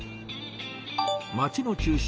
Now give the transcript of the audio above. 街の中心